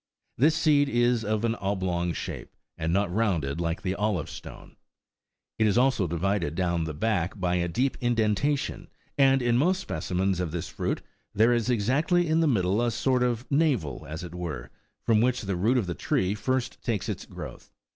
This seed is of an oblong shape, and not rounded like the olive stone. It is also divided down the back by a deep indentation, and in most specimens of this fruit there is exactly in the middle a sort of navel, as it were, from which the root of the tree first takes its growth.